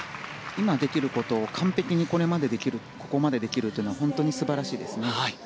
今できることを完璧にここまでできるというのは本当に素晴らしいですね。